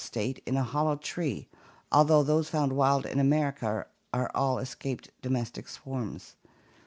state in a hollow tree, although those found wild in America are all escaped domestic swarms.